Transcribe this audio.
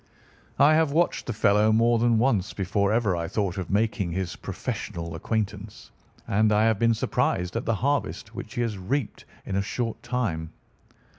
I have watched the fellow more than once before ever I thought of making his professional acquaintance, and I have been surprised at the harvest which he has reaped in a short time.